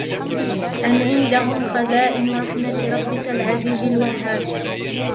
أم عندهم خزائن رحمة ربك العزيز الوهاب